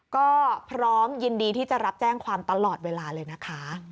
ก็พร้อมยินดีที่จะรับแจ้งความตลอดเวลาเลยนะคะ